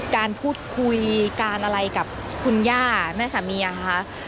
การพูดคุยการอะไรกับคุณย่าแม่สามีอะคะ